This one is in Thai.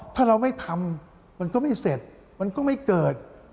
ถ้าเราไม่ทำมันก็ไม่เสร็จมันก็ไม่เกิด